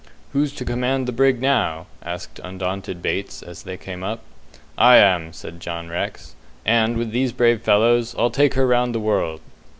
"Who's to command the brig now?" asked undaunted Bates, as they came up. "I am," says John Rex, "and, with these brave fellows, I'll take her round the world."